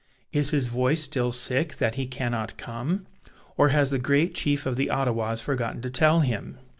Is his voice still sick, that he cannot come? or has the great chief of the Ottawas forgotten to tell him?"